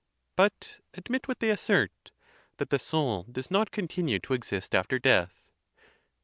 But admit what they assert—that the soul does not continue to exist after death.